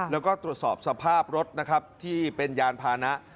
แล้วก็ตรวจสอบสภาพรถนะครับที่เป็นยานพานะ